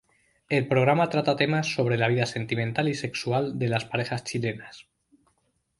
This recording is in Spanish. El programa trata temas sobre la vida sentimental y sexual de las parejas chilenas.